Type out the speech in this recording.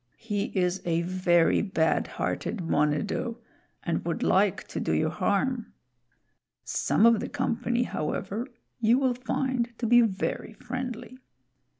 He is a very bad hearted Monedo, and would like to do you harm. Some of the company, however, you will find to be very friendly.